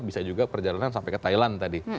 bisa juga perjalanan sampai ke thailand tadi